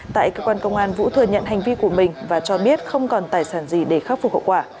tại cơ quan công an vũ thừa nhận hành vi của mình và cho biết không còn tài sản gì để khắc phục hậu quả